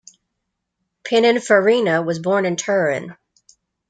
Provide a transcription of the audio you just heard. Pininfarina was born in Turin.